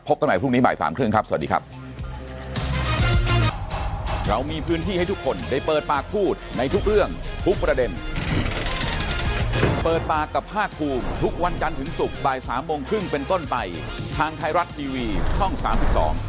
พบกันใหม่พรุ่งนี้บ่าย๓๓๐ครับสวัสดีครับ